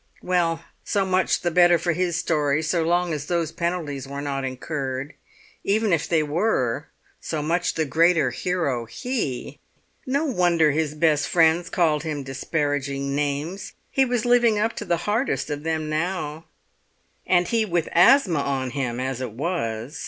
Well, so much the better for his story so long as those penalties were not incurred; even if they were, so much the greater hero he! No wonder his best friends called him disparaging names; he was living up to the hardest of them now, and he with asthma on him as it was!